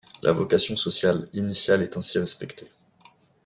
La vocation sociale initiale est ainsi respectée.